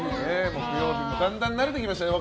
木曜日もだんだん慣れてきましたね